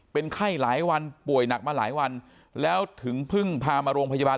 เป็นไข้หลายวันป่วยหนักมาหลายวันแล้วถึงเพิ่งพามาโรงพยาบาล